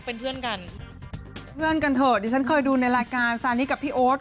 เป็นเพื่อนกันเพื่อนกันเถอะดิฉันเคยดูในรายการซานิกับพี่โอ๊ต